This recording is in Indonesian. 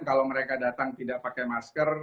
kalau mereka datang tidak pakai masker